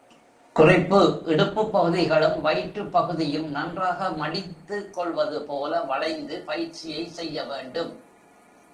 குறிப்பு இடுப்புப் பகுதிகளும், வயிற்றுப் பகுதியும் நன்றாக மடித்து கொள்வது போல வளைந்து பயிற்சியை செய்ய வேண்டும்.